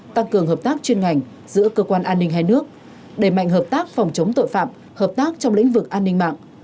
tăng cường hợp tác chuyên ngành giữa cơ quan an ninh hai nước đẩy mạnh hợp tác phòng chống tội phạm hợp tác trong lĩnh vực an ninh mạng